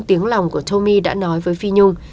tiếng lòng của tommy đã nói với phi nhung